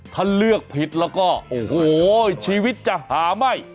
ถ้าเลือกผิดแล้วก็โอ้โหชีวิตจะหาไม่